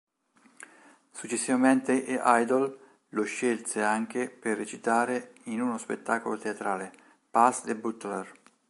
Successivamente, Idle lo scelse anche per recitare in uno spettacolo teatrale, "Pass The Butler".